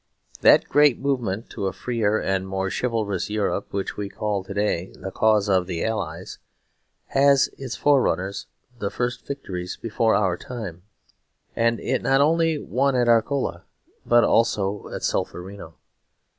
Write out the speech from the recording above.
That great movement to a freer and more chivalrous Europe which we call to day the Cause of the Allies, had its forerunners and first victories before our time; and it not only won at Arcola, but also at Solferino.